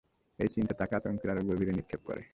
এই চিন্তা তাকে আতঙ্কের আরো গভীরে নিক্ষেপ করে।